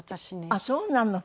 あっそうなの。